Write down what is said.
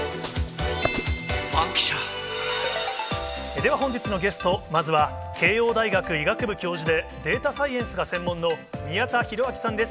では本日のゲスト、まずは慶應大学医学部教授で、データサイエンスが専門の、宮田裕章さんです。